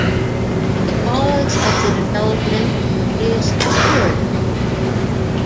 The cause of the development is spiritual.